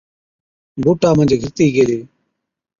بُوٽا منجھ گھِرتِي گيلي۔